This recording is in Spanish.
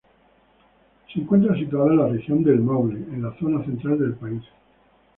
Se encuentra situada en la Región del Maule, en la zona central del país.